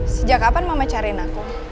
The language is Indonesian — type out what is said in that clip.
sejak kapan mama cariin aku